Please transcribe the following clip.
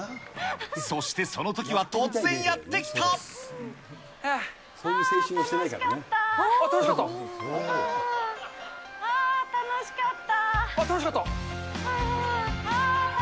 そしてそのときは突然やってあー、あー、楽しかった。